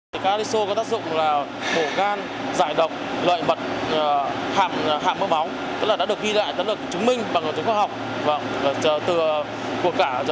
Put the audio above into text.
các artiso có tác dụng là bổ gan giải độc